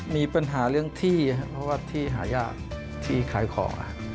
มีปัญหาเรื่องที่ครับเพราะว่าที่หายากที่ขายของ